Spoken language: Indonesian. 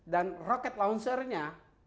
dan rocket launchernya